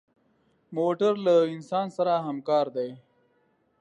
موټر له انسان سره همکار دی.